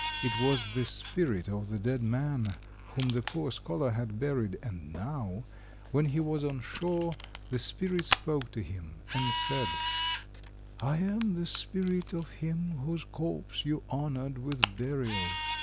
It was the spirit of the dead man whom the poor scholar had buried, and now, when he was on shore, the spirit spoke to him, and said— "I am the spirit of him whose corpse you honoured with burial.